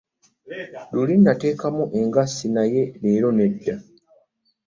Luli nateekamu engassi naye leero nedda.